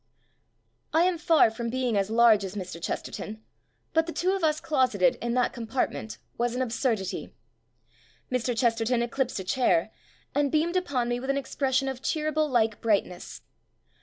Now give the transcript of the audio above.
I am far from being as large as Mr. Chesterton, but the two of us closeted in that compartment was an absurdity. Mr. Chesterton eclipsed a chair, and beamed upon me with an expression of Cheeryble like brightness.